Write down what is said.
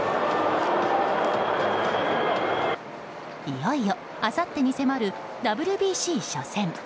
いよいよ、あさってに迫るＷＢＣ初戦。